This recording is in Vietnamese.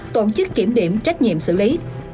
tổ chức kiểm điểm trách nhiệm xử lý